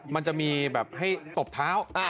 มันจะมีแบบให้ตบเท้า